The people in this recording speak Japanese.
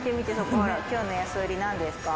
今日の安売りなんですか？